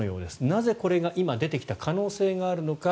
なぜ、これが今出てきた可能性があるのか。